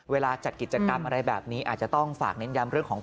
จัดกิจกรรมอะไรแบบนี้อาจจะต้องฝากเน้นย้ำเรื่องของ